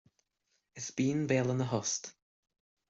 Is binn béal ina thost